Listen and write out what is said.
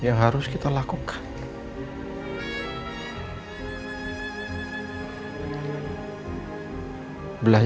yang harus kita lakukan